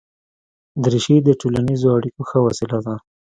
دریشي د ټولنیزو اړیکو ښه وسیله ده.